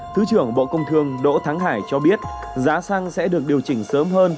thứ trưởng bộ công thương đỗ thắng hải cho biết giá xăng sẽ được điều chỉnh sớm hơn